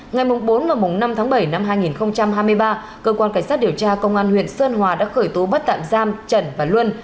ngày bốn và năm tháng bảy năm hai nghìn hai mươi ba cơ quan cảnh sát điều tra công an huyện sơn hòa đã khởi tố bắt tạm giam trần và luân